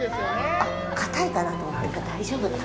あっ、かたいかなと思ったら大丈夫だ。